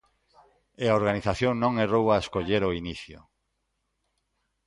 E a organización non errou ao escoller o inicio.